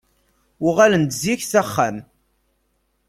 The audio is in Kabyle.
Uɣalen-d zik s axxam.